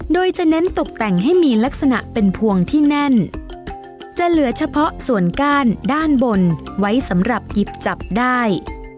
โดยจะเน้นตกแต่งให้มีลักษณะเป็นพวงที่แน่นจะเหลือเฉพาะส่วนก้านด้านบนไว้สำหรับหยิบจับได้